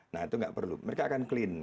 nah itu nggak perlu mereka akan clean